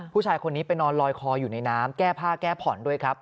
ผู้ชายคนนี้ไปนอนลอยคออยู่ในน้ำแก้ผ้าแก้ผ่อนด้วยครับ